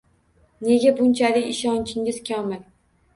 Nega bunchalik ishonchingiz komil